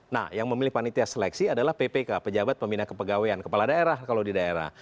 nah yang memilih panitia seleksi adalah ppk pejabat pembina kepegawaian kepala daerah kalau di daerah